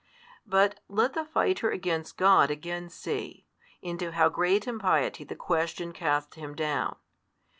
But let the fighter against God again see, into how great impiety the question casts him down.